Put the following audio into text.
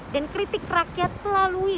dan kritik rakyat melalui